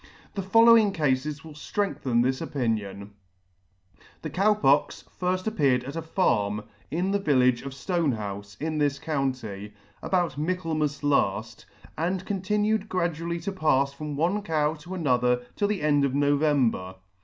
The following Cafes will ftrengthen this opinion : The Cow Pox appeared at a farm in the village of Stonehoufe, in this county, about Michaelmas laft, and continued gradually to pafs from one cow to another till the end of November.